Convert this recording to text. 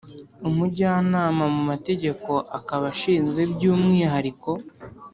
Umujyanama mu mategeko akaba ashinzwe by umwihariko